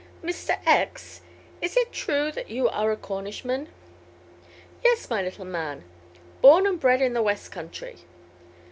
"Mr. X , is it true that you are a Cornishman?" "Yes, my little man; born and bred in the West country."